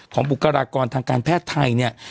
บุคลากรทางการแพทย์ไทยเนี่ย